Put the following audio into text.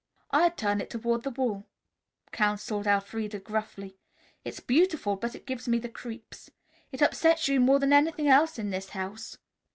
"I'd turn it toward the wall," counseled Elfreda gruffly. "It's beautiful, but it gives me the creeps. It upsets you more than anything else in this house.